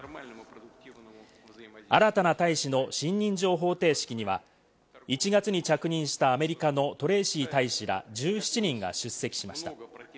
新たな大使の信任状捧呈式には１月に着任したアメリカのトレイシー大使ら１７人が出席しました。